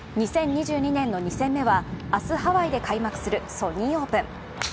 ２０２２年の２戦目は明日、ハワイで開幕するソニーオープン。